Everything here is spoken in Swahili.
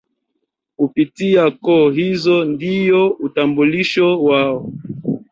Kupitia koo hizo ndio utambulisho wao